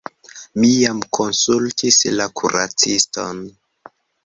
Mi jam konsultis la kuraciston.